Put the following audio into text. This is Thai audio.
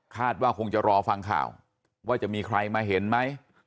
ว่าคงจะรอฟังข่าวว่าจะมีใครมาเห็นไหม